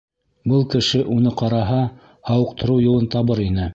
Был кеше уны ҡараһа, һауыҡтырыу юлын табыр ине.